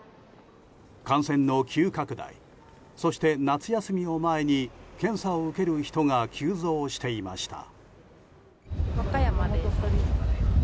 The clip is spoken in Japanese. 感染の急拡大そして夏休みを前に検査を受ける人が急増していました。